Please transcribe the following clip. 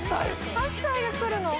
・８歳が来るの？